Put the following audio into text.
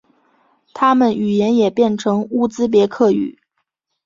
他们语言也变成乌兹别克语。